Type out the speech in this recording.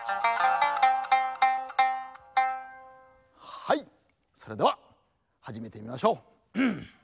はいそれでははじめてみましょう。